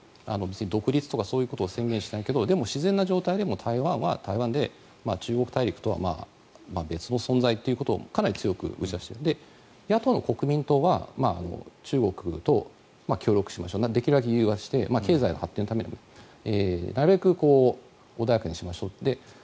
独立とかそういうことは宣言しないけど自然な状態で、台湾は台湾で中国大陸とは別の存在ということをかなり強く言っているので野党の国民党は中国と協力してできるだけ融和して経済の発展のためになるべく穏やかにしましょうと。